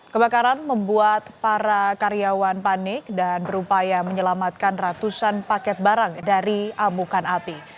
kebakaran membuat para karyawan panik dan berupaya menyelamatkan ratusan paket barang dari amukan api